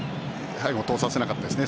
背後を通させなかったですね。